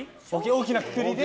大きなくくりで。